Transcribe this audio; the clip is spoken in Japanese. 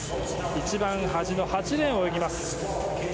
一番端、８レーンを泳ぎます。